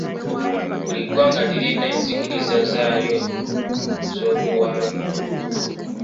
Buli ggwanga lirina enzikiriza zaalyo z'obuwangwa.